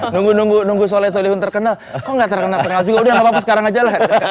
nunggu nunggu soleh solihun terkenal kok gak terkenal terkenal juga udah gapapa sekarang aja lah